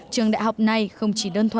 trường đại học này không chỉ đơn thuần